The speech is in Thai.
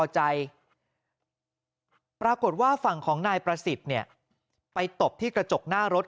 ปรากฏว่าฝั่งของนายประสิทธิ์เนี่ยไปตบที่กระจกหน้ารถ